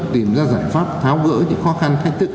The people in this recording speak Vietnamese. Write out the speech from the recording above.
tìm ra giải pháp tháo gỡ những khó khăn thách thức